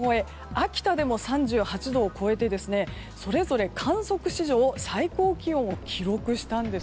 秋田でも３８度を超えてそれぞれ観測史上最高気温を記録したんです。